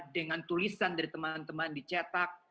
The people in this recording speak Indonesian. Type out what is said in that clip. dengan tulisan dari teman teman dicetak